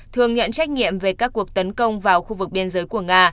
thường nhận trách nhiệm về các cuộc tấn công vào khu vực biên giới của nga